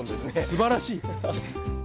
すばらしい！